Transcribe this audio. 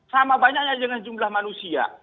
sama banyaknya dengan jumlah manusia